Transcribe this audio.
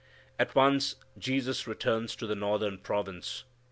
At once Jesus returns to the northern province.